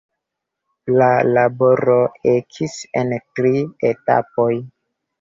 La laboro ekis en tri etapoj.